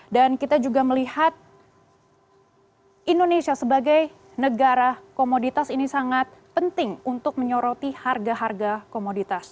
dan kita juga melihat indonesia sebagai negara komoditas ini sangat penting untuk menyoroti harga harga komoditas